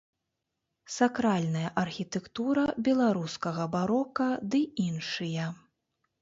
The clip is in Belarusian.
Сакральная архітэктура беларускага барока ды іншыя.